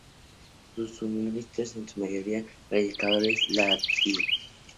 Sus ministros son en su mayoría predicadores laicos.